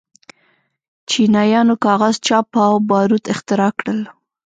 چینایانو کاغذ، چاپ او باروت اختراع کړل.